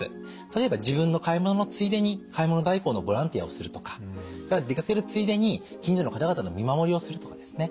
例えば自分の買い物のついでに買い物代行のボランティアをするとかそれから出かけるついでに近所の方々の見守りをするとかですね